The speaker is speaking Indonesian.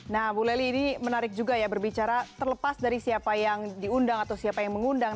nah bu lely ini menarik juga ya berbicara terlepas dari siapa yang diundang atau siapa yang mengundang